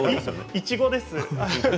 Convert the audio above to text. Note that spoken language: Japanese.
いちごです。